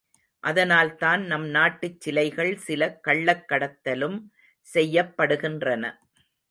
அதனால்தான் நம் நாட்டுச் சிலைகள் சில கள்ளக்கடத்தலும் செய்யப்படுகின்றன.